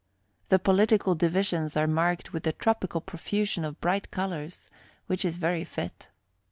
The political divisions are marked with a tropical profusion of bright colors, which is very fit.